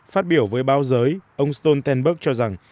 phát biểu với báo giới ông stoltenberg cho rằng